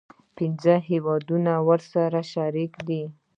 پنځه هیوادونه ورسره شریک دي.